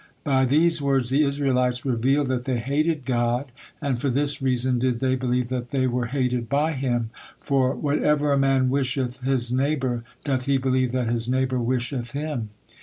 By these words the Israelites revealed that they hated God, and for this reason did they believe that they were hated by Him, for "whatever a man wisheth his neighbor, doth he believe that his neighbor wisheth him."